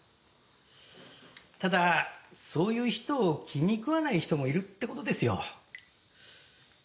ただそういう人を気に食わない人もいるって事ですよ。